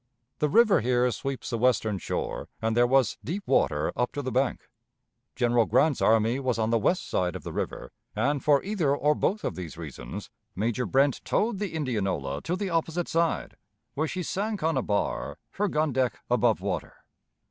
The river here sweeps the western shore, and there was deep water up to the bank. General Grant's army was on the west side of the river, and, for either or both of these reasons. Major Brent towed the Indianola to the opposite side, where she sank on a bar, her gun deck above water.